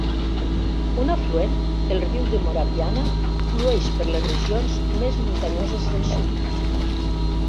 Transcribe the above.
Un afluent, el riu de Moraviana flueix per les regions més muntanyoses del sud.